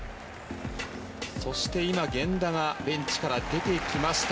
今、源田がベンチから出てきました。